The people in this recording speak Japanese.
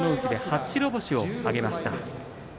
初白星を挙げました。